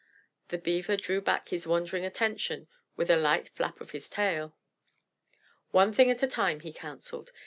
The Beaver drew back his wandering attention with a light flap of his tail. "One thing at a time," he counselled.